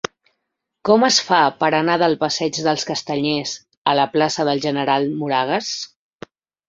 Com es fa per anar del passeig dels Castanyers a la plaça del General Moragues?